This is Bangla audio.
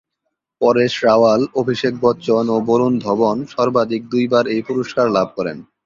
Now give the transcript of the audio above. পরেশ রাওয়াল, অভিষেক বচ্চন ও বরুণ ধবন সর্বাধিক দুইবার এই পুরস্কার লাভ করেন।